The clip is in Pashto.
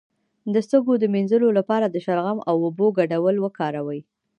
د سږو د مینځلو لپاره د شلغم او اوبو ګډول وکاروئ